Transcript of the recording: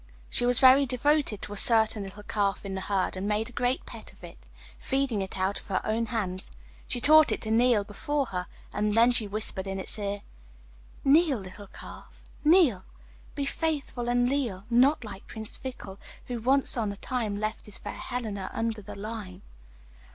She was very devoted to a certain little calf in the herd, and made a great pet of it, feeding it out of her own hands. She taught it to kneel before her, and then she whispered in its ear: 'Kneel, little calf, kneel; Be faithful and leal, Not like Prince Fickle, Who once on a time Left his fair Helena Under the lime.